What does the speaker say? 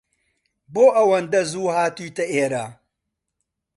بۆ ئەوەندە زوو هاتوویتە ئێرە؟